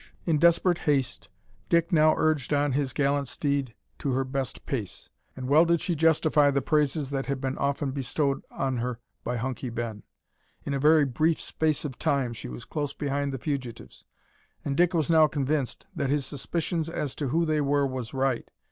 In desperate haste Dick now urged on his gallant steed to her best pace, and well did she justify the praises that had been often bestowed on her by Hunky Ben. In a very brief space of time she was close behind the fugitives, and Dick was now convinced that his suspicions as to who they were was right.